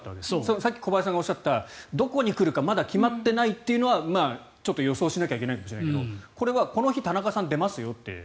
さっき小林さんがおっしゃったどこに来るかまだ決まってないというのはちょっと予想しないといけないかもしれないけどこれはこの日田中さんが出ますよって。